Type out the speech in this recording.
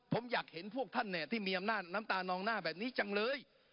ผมอยากเห็นพวกท่านที่มีอำนาจน้ำตานองหน้าแบบนี้จังเลย